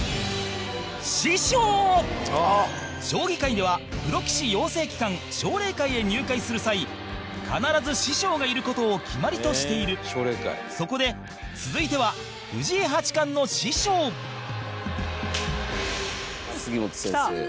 将棋界では、プロ棋士養成機関奨励会へ入会する際必ず師匠がいる事を決まりとしているそこで、続いては藤井八冠の師匠高橋：杉本先生。